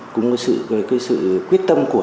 cũng với sự quyết tâm của